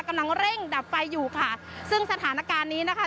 กำลังเร่งดับไฟอยู่ค่ะซึ่งสถานการณ์นี้นะคะ